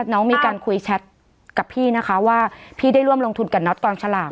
น้องมีการคุยแชทกับพี่นะคะว่าพี่ได้ร่วมลงทุนกับน็อตกองสลาก